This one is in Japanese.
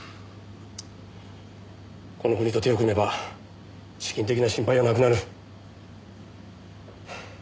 この国と手を組めば資金的な心配はなくなる。